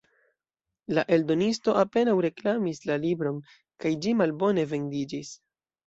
La eldonisto apenaŭ reklamis la libron, kaj ĝi malbone vendiĝis.